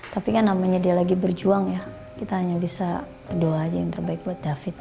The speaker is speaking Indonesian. tapi kan namanya dia lagi berjuang ya kita hanya bisa berdoa aja yang terbaik buat david